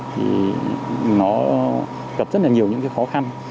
thì nó gặp rất nhiều những khó khăn